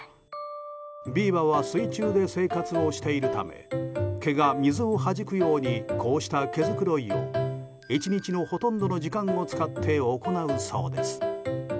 ビーバーは水中で生活をしているため毛が水をはじくようにこうした毛づくろいを１日のほとんどの時間を使って行うそうです。